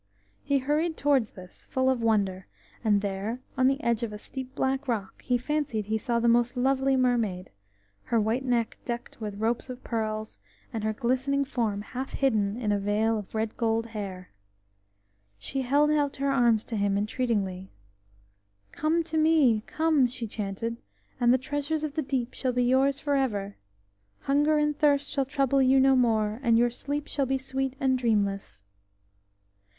He hurried towards this, full of wonder, and there, on the edge of a steep black rock, he fancied he saw the most lovely mermaid, her white neck decked with ropes of pearls, and her glistening form half hidden in a veil of red gold hair. She held out her arms to him entreatingly. "Come to me, come!" she chanted, "and the treasures of the deep shall be yours for ever. Hunger and thirst shall trouble you no more, and your sleep shall be sweet and dreamless."